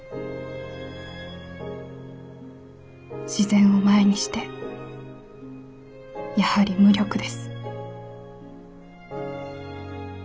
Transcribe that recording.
「自然を前にしてやはり無力です」。